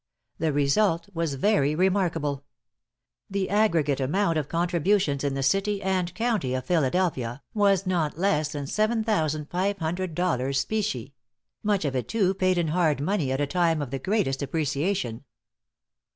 The result was very remarkable. The aggregate amount of contributions in the City and County of Philadelphia, was not less than 7,500 dollars, specie; much of it, too, paid in hard money, at a time of the greatest appreciation.